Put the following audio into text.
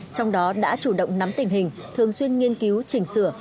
trong đó đã chủ động nắm tình hình thường xuyên nghiên cứu chỉnh sửa